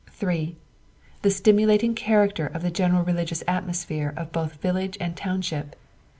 "3. The stimulating character of the general religious atmosphere of both the village and township.